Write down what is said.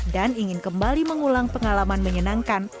dan ingin kembali mengulang pengalaman menyenangkan